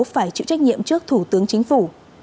phải chịu trách nhiệm trước thủ tướng chính phủ